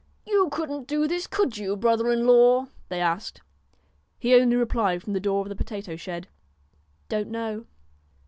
1 You couldn't do this, could you, brother in law ?' they asked. He only replied from the door of the potato shed :' Don't know.'